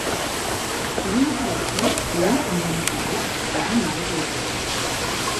তিনি হতে যাচ্ছেন পুরুষ-নিয়ন্ত্রিত প্রথম নারী পরিচালক।